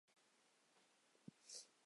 续彦三为日本明治时期政府官员。